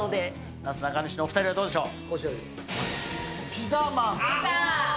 なすなかにしのお２人はどうでしょう。